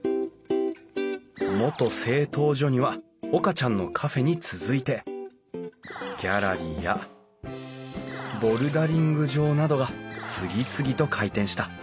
元製陶所には岡ちゃんのカフェに続いてギャラリーやボルダリング場などが次々と開店した。